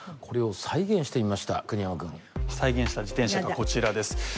これを再現してみました国山君再現した自転車がこちらです